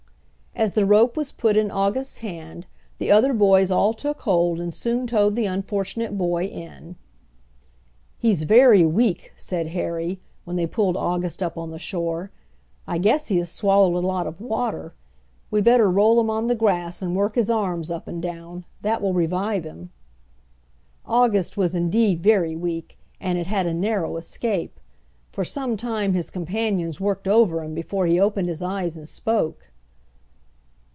As the rope was put in August's hand the other boys all took hold and soon towed the unfortunate boy in. "He's very weak," said Harry when they pulled August up on the shore. "I guess he has swallowed a lot of water. We better roll him on the grass and work his arms up and down. That will revive him." August was indeed very weak, and had had a narrow escape. For some time his companions worked over him before he opened his eyes and spoke.